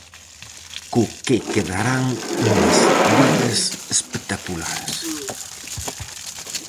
Co que quedarán unhas ligas espectaculares.